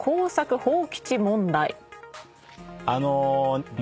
あの。